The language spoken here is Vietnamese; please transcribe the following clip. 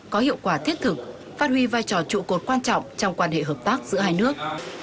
có hiệu quả thiết thực phát huy vai trò trụ cột quan trọng trong quan hệ hợp tác giữa hai nước